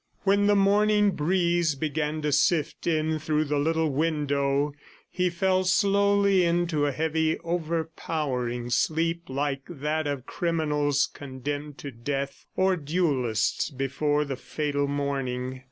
When the morning breeze began to sift in through the little window he fell slowly into a heavy, overpowering sleep, like that of criminals condemned to death, or duellists before the fatal morning.